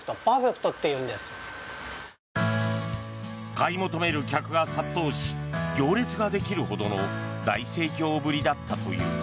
買い求める客が殺到し行列ができるほどの大盛況ぶりだったという。